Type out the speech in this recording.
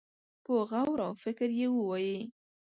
په غور او فکر يې ووايي.